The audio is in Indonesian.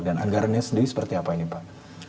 dan anggarannya sendiri seperti apa ini pak